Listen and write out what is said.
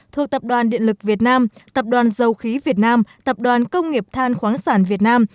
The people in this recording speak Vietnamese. thuộc tập đoàn điện lực việt nam tập đoàn dầu khí việt nam tập đoàn công nghiệp than khoáng sản việt nam